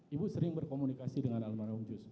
ibu sering berkomunikasi dengan almarhum jus